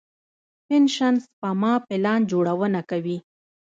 پنشن سپما پلان جوړونه کوي.